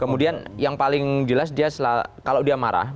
kemudian yang paling jelas dia kalau dia marah